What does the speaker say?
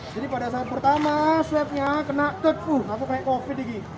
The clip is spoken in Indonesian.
jadi pada saat pertama swepnya kena covid sembilan belas